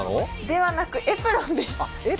ではなく、エプロンです。